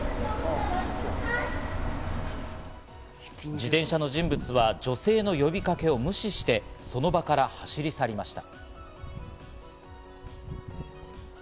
自転車の人物は女性の呼びかけを無視して、その場から走り去りました。